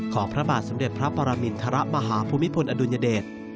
ของพระบาทสำเด็จพระปรามิณฑระมหาภูมิพลอดุญเดช